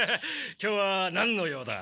今日はなんの用だ？